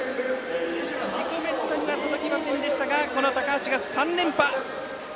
自己ベストには届きませんでしたがこの高橋が３連覇！